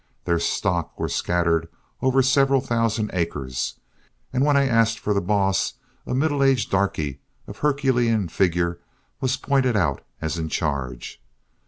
Their stock were scattered over several thousand acres, and when I asked for the boss, a middle aged darky of herculean figure was pointed out as in charge.